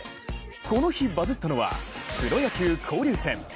この日、バズったのはプロ野球交流戦。